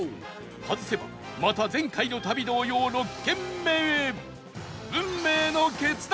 外せばまた前回の旅同様６軒目へ